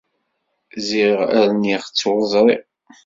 Ziɣ rniɣ-tt ur ẓriɣ.